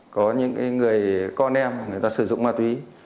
có những người con em người ta sử dụng ma túy